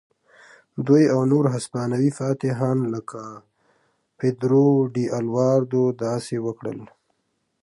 دوی او نور هسپانوي فاتحان لکه پیدرو ډي الواردو داسې وکړل.